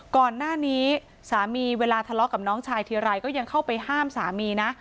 ก่อนหน้านี้สามีเวลาทะเลาะกับน้องชายทีไรก็ยังเข้าไปห้ามสามีนะ